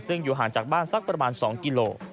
ซึ่งอยู่ห่างจากบ้านสักประมาณ๒กิโล